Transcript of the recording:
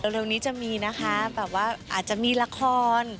เร็วนี้จะมีนะคะแบบว่าอาจจะมีละคร